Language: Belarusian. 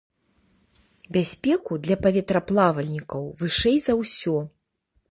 Бяспеку для паветраплавальнікаў вышэй за ўсё.